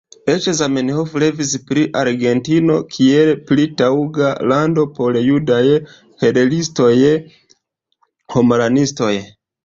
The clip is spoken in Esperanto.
Eĉ Zamenhof revis pri Argentino, kiel pri taŭga lando por judaj hilelistoj-homaranistoj.